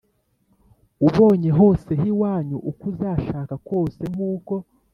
ubonye hose h iwanyu uko uzashaka kose nk uko